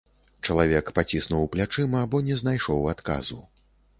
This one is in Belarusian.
Чалавек паціснуў плячыма, бо не знайшоў адказу.